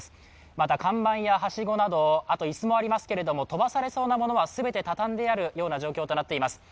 また看板やはしごなど、あと椅子もありますけれども、飛ばされそうなものは全て畳んであるような状況となっています。